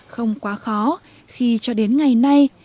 không quá khó khi cho đến ngày nay